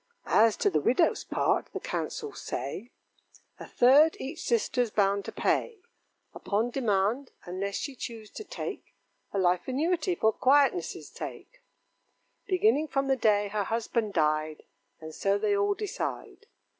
As to the widow's part, the counsels say A third each sister's bound to pay, Upon demand, unless she choose to take A life annuity, for quietness' sake, Beginning from the day her husband died, And so they all decide.